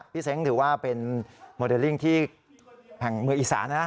เซ้งถือว่าเป็นโมเดลลิ่งที่แห่งเมืองอีสานนะ